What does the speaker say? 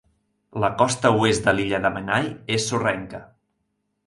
La costa oest de l'illa de Menai és sorrenca.